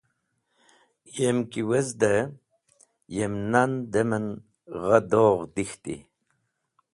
Yem ki wezde, yem nan dem en gha dogh dik̃hti.